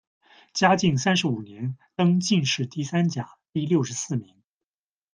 嘉靖三十五年，登进士第三甲第六十四名。